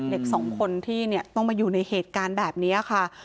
เด็กสองคนที่ต้องมาอยู่ในเหตุการณ์แบบนี้ค่ะ